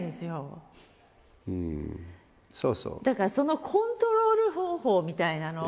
だからそのコントロール方法みたいなのを。